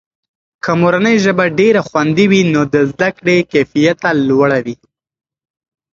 که مورنۍ ژبه ډېره خوندي وي، نو د زده کړې کیفیته لوړه وي.